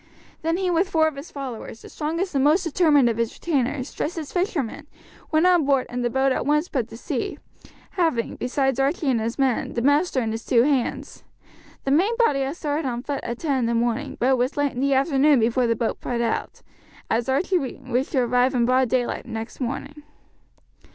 Then he with four of his followers, the strongest and most determined of his retainers, dressed as fishermen, went on board and the boat at once put to sea, having, besides Archie and his men, the master and his two hands. The main body had started on foot at ten in the morning, but it was late in the afternoon before the boat put out, as Archie wished to arrive in broad daylight next morning.